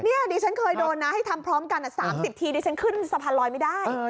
นี่ดิฉันเคยโดนนะให้ทำพร้อมกัน๓๐ทีดิฉันขึ้นสะพานลอยไม่ได้